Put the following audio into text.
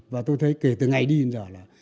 và tôi thấy kể từ ngày đi đến giờ là